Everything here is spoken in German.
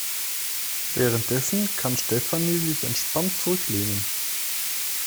Währenddessen kann Stefanie sich entspannt zurücklehnen.